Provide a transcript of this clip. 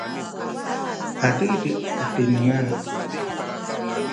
adidi’ katinengan